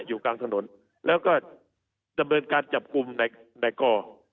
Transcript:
อยู่กลางถนนแล้วก็ดำเนินการจับกลุ่มในในก่อ